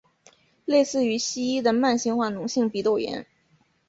类似于西医的慢性化脓性鼻窦炎。